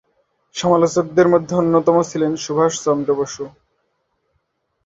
সমালোচকদের মধ্যে অন্যতম ছিলেন সুভাষচন্দ্র বসু।